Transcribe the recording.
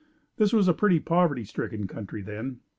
This was a pretty poverty stricken country then.